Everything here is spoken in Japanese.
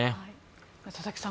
佐々木さん